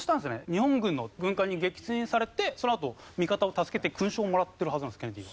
日本軍の軍艦に撃沈されてそのあと味方を助けて勲章もらってるはずなんですケネディ。